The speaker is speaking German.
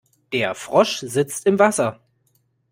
Der Frosch sitzt im Wasser.